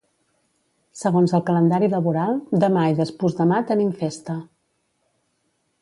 Segons el calendari laboral, demà i despús-demà tenim festa.